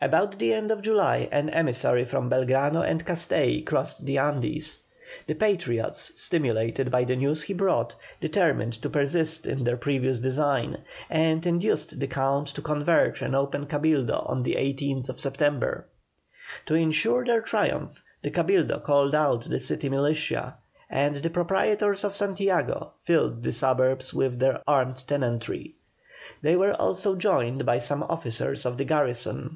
About the end of July an emissary from Belgrano and Castelli crossed the Andes. The Patriots, stimulated by the news he brought, determined to persist in their previous design, and induced the Count to convene an open Cabildo on the 18th September. To ensure their triumph the Cabildo called out the city militia, and the proprietors of Santiago filled the suburbs with their armed tenantry. They were also joined by some officers of the garrison.